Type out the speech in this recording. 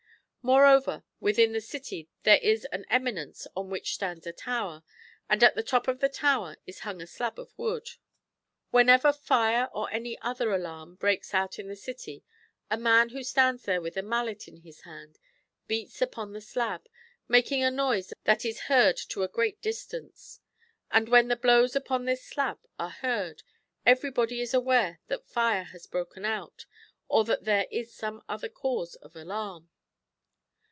] Moreover, within the city there is an eminence on which stands a Tower, and at the top of the tower is hung a slab of w<M)d. WJKiKNcr fire or any other alarm breaks Chap. LXXVI. THE GREAT CITY OF KINSAY. 149 out in the city a man who stands there with a mallet in his hand beats upon the slab, making a noise that is heard to a great distance. So when the blows upon this slab are heard, everybody is aware that fire has broken out, or that there is some other cause of alarm.